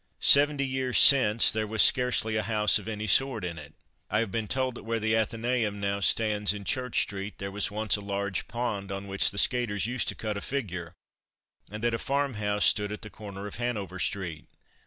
Seventy years since there was scarcely a house of any sort in it. I have been told that where the Athenaeum now stands in Church street, there was once a large pond on which the skaters used to cut a figure, and that a farm house stood at the corner of Hanover street.